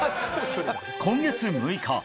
今月６日。